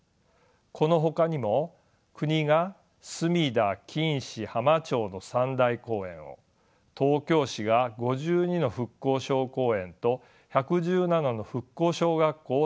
このほかにも国が隅田錦糸浜町の３大公園を東京市が５２の復興小公園と１１７の復興小学校を建てました。